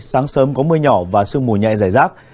sáng sớm có mưa nhỏ và sương mù nhẹ giải rác